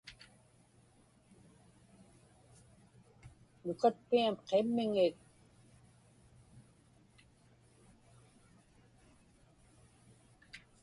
nukatpiam qimmiŋik